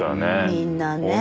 みんなね。